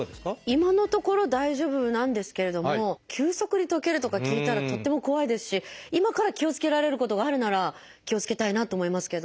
今のところ大丈夫なんですけれども急速に溶けるとか聞いたらとっても怖いですし今から気をつけられることがあるなら気をつけたいなと思いますけど。